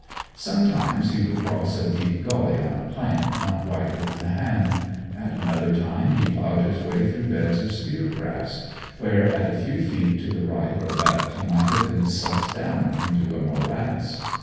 Sometimes he would cross a deep gully on a plank not wider than the hand; at another time he ploughed his way through beds of spear grass, where at a few feet to the right or left he might have been sucked down into a morass.